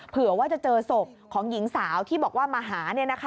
เผื่อว่าจะเจอศพของหญิงสาวที่บอกว่ามาหา